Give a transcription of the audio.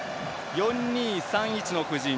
４−２−３−１の布陣。